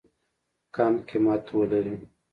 کم قیمت ولري.